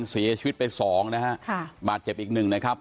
เสียชีวิตไปสองนะฮะค่ะบาดเจ็บอีกหนึ่งนะครับ